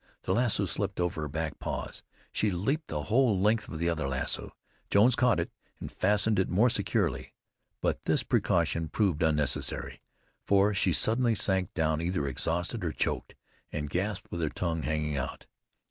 The lasso slipped over her back paws. She leaped the whole length of the other lasso. Jones caught it and fastened it more securely; but this precaution proved unnecessary, for she suddenly sank down either exhausted or choked, and gasped with her tongue hanging out.